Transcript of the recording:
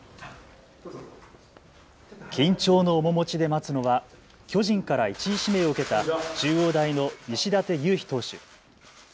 緊張の面持ちで待つのは巨人から１位指名を受けた中央大の西舘勇陽投手。